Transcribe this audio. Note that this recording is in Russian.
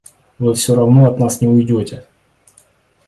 Вы всё равно от нас не уйдёте!